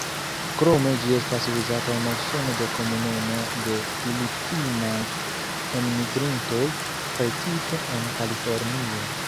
Krome ĝi estas uzata en Usono de komunumo de filipinaj enmigrintoj, precipe en Kalifornio.